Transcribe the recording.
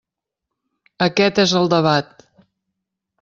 Aquest és el debat.